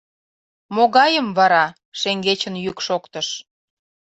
— Могайым вара? — шеҥгечын йӱк шоктыш.